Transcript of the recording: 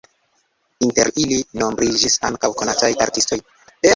Inter ili nombriĝis ankaŭ konataj artistoj.